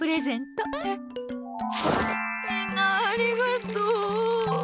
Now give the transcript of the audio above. みんなありがとう！